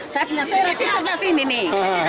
saya punya teras di sebelah sini nih